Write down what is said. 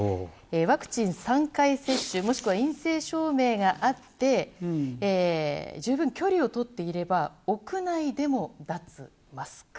ワクチン３回接種もしくは陰性証明があって十分距離をとっていれば屋内でも脱マスク。